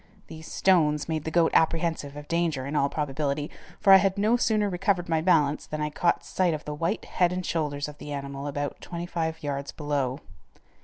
These stones made the goat apprehensive of danger, in all probability, for I had no sooner recovered my balance than I caught sight of the white head and shoulders of the animal about twenty five yards below.